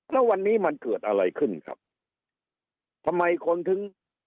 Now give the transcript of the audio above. แล้ววันนี้มันเกิดอะไรขึ้นครับทำไมคนถึง